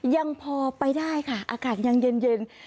ยังพอไปได้ค่ะอากาศยังเย็น